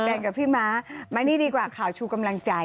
แดงกับพี่ม้ามานี่ดีกว่าข่าวชูกำลังใจ